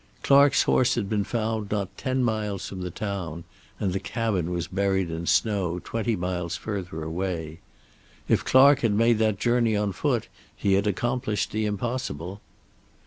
Clark's horse had been found not ten miles from the town, and the cabin was buried in snow twenty miles further away. If Clark had made that journey on foot he had accomplished the impossible.